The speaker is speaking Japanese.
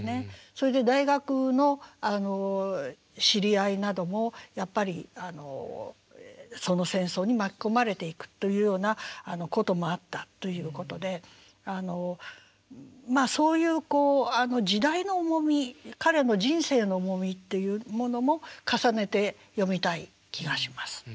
それで大学の知り合いなどもやっぱりその戦争に巻き込まれていくというようなこともあったということでまあそういう時代の重み彼の人生の重みっていうものも重ねて読みたい気がします。